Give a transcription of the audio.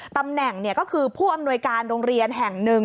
ตำแหน่งก็คือผู้อำนวยการโรงเรียนแห่งหนึ่ง